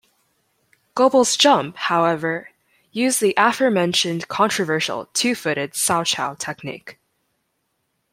Goebel's jump, however, used the aforementioned controversial two-footed Salchow technique.